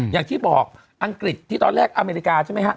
อย่างที่บอกอังกฤษที่ตอนแรกอเมริกาใช่ไหมฮะ